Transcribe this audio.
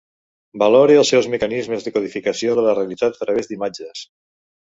Valore els seus mecanismes de codificació de la realitat a través d’imatges.